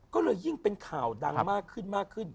ก็เลยยิ่งเป็นข่าวดังมากขึ้นมากขึ้น